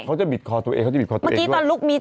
เขาจะบิดคอตัวเองเขาก็จะบิดคอตัวเองด้วย